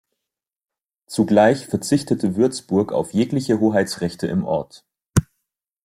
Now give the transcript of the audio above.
Zugleich verzichtete Würzburg auf jegliche Hoheitsrechte im Ort.